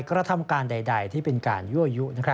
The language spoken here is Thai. กระทำการใดที่เป็นการยั่วยุ